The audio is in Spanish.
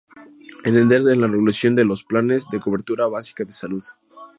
Entender en la regulación de los planes de cobertura básica de salud.